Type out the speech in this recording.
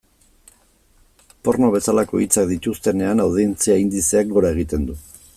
Porno bezalako hitzak dituztenean, audientzia indizeak gora egiten du.